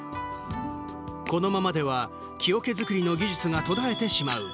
このままでは木おけづくりの技術が途絶えてしまう。